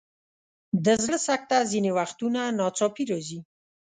د زړه سکته ځینې وختونه ناڅاپي راځي.